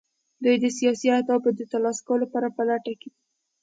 دوی د سیاسي اهدافو د ترلاسه کولو په لټه کې دي